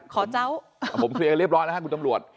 ขอเจ้าเอาผมเคลียร์เรียบร้อยนะฮะคุณตำรวจ